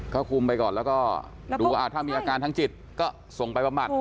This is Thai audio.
ก็คุมไปก่อนแล้วก็ดูถ้ามีอาการทางจิตก็ส่งไปบำบัด